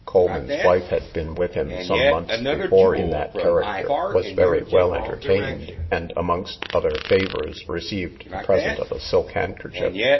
Coleman's wife had been with him some months before in that character, was very well entertained, and, amongst other favours, received a present of a silk handkerchief.